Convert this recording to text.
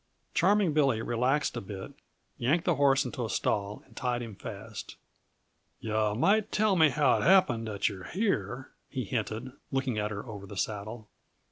Charming Billy relaxed a bit, yanked the horse into a stall and tied him fast. "Yuh might tell me how it happened that you're here," he hinted, looking at her over the saddle.